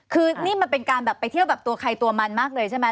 คือนี่มันเป็นการแบบไปเที่ยวแบบตัวใครตัวมันมากเลยใช่ไหม